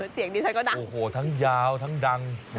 เสียงดิฉันก็ดังโอ้โหทั้งยาวทั้งดัง